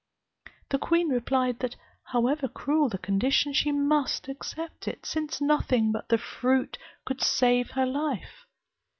The queen replied, that however cruel the condition, she must accept it, since nothing but the fruit could save her life.